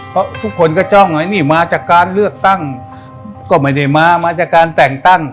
เพราะทุกคนก็จ้องไว้นี่มาจากการเลือกตั้งก็ไม่ได้มามาจากการแต่งตั้ง